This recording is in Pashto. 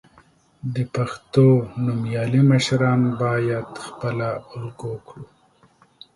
د پښتو نومیالي مشران باید خپله الګو کړو.